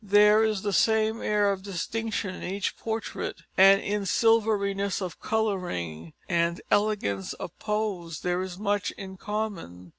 There is the same air of distinction in each portrait, and in silveriness of colouring and elegance of pose there is much in common.